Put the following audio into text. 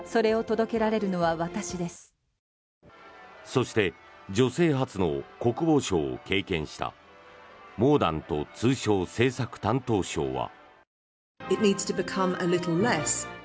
そして女性初の国防相を経験したモーダント通商政策担当相は。